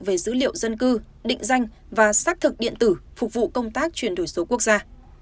về dữ liệu dân cư định danh và xác thực điện tử phục vụ công tác chuyển đổi số quốc gia